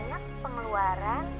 terus ada banyak pengeluaran